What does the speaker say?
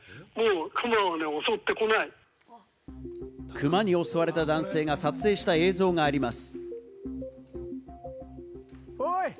クマに襲われた男性が撮影した映像があります。